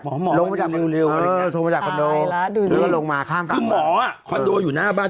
หมอหมอเรียกเร็วเรียกเร็วอะไรอย่างนั้นตายแล้วดูซิคือหมออะคอนโดอยู่หน้าบ้าน